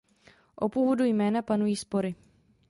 O původu jména panují spory.